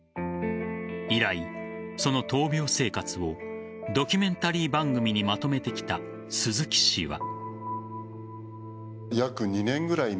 以来、その闘病生活をドキュメンタリー番組にまとめてきた鈴木氏は。